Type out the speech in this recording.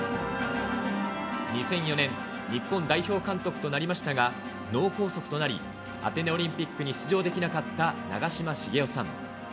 ２００４年、日本代表監督となりましたが、脳梗塞となり、アテネオリンピックに出場できなかった長嶋茂雄さん。